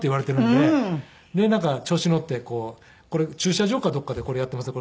でなんか調子に乗ってこれ駐車場かどこかでこれやってますよ。